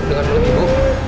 dengar dulu ibu